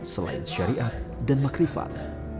selain syariat dan makrifat